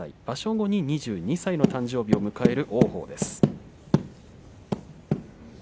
場所後に２２歳の誕生日を迎える王鵬です。